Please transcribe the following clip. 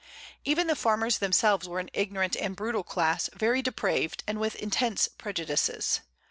Even the farmers themselves were an ignorant and brutal class, very depraved, and with intense prejudices.